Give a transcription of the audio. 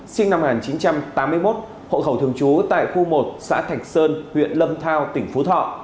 sinh năm một nghìn chín trăm tám mươi một hộ khẩu thường trú tại khu một xã thạch sơn huyện lâm thao tỉnh phú thọ